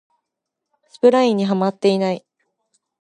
スプラインにハマってない